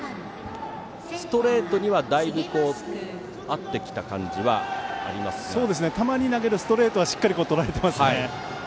ストレートにはだいぶ合ってきた感じはたまに投げるストレートはしっかり、とらえていますね。